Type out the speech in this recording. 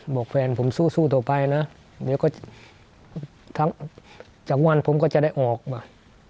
บอกแฟนผมสู้ต่อไปนะเดี๋ยวก็ทั้งจากวันผมก็จะได้ออกมา